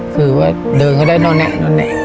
คือว่าเดินเขาก็ได้เนอะเนะเนอะเนะ